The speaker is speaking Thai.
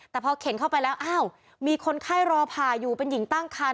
แต่พอเข็นเข้าไปแล้วอ้าวมีคนไข้รอผ่าอยู่เป็นหญิงตั้งคัน